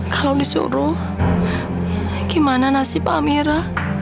kalau disuruh gimana nasib pak amira